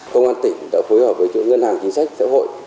công an tỉnh đã phối hợp với chủ ngân hàng chính sách xã hội